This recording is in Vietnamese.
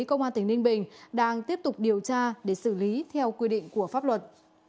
công an tỉnh ninh bình đang tiếp tục điều tra để xử lý theo quy định của pháp luật